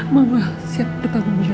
mama siap bertanggung jawab